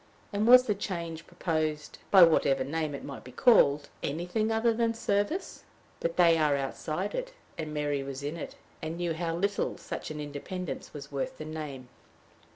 and was the change proposed, by whatever name it might be called, anything other than service? But they are outside it, and Mary was in it, and knew how little such an independence was worth the name.